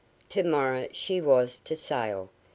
To morrow she was to sail!